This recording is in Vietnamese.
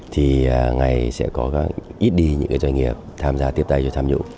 thì ngày sẽ có ít đi những doanh nghiệp tham gia tiếp tay cho tham nhũng